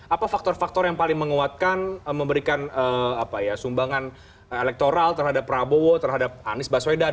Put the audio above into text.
apa faktor faktor yang paling menguatkan memberikan sumbangan elektoral terhadap prabowo terhadap anies baswedan